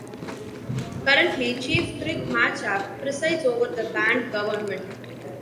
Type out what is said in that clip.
Currently Chief Kirk Matchap presides over the band government.